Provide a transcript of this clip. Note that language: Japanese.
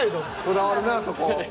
こだわるなぁそこ。